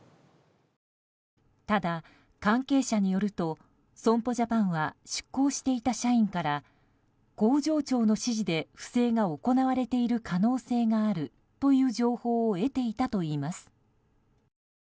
ただ、関係者によると損保ジャパンは出向していた社員から工場長の指示で不正が行われている可能性があるという情報を得ていたといいます。